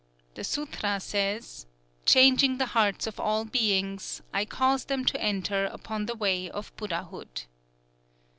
'_" "_The Sûtra says: 'Changing the hearts of all beings, I cause them to enter upon the Way of Buddhahood.